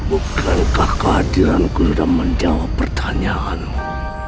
bukankah kehadiranku sudah menjawab pertanyaanmu